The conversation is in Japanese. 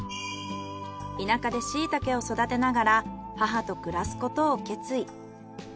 田舎でシイタケを育てながら母と暮らすことを決意。